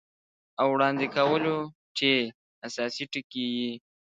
او وړاندې کولو چې اساسي ټکي یې